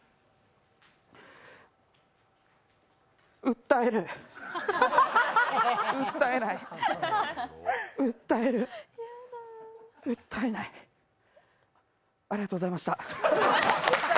訴える、訴えない、訴える、訴えないありがとうございました。